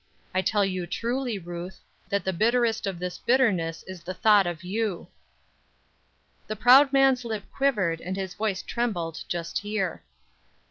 I tell you truly, Ruth, that the bitterest of this bitterness is the thought of you." The proud man's lip quivered and his voice trembled, just here.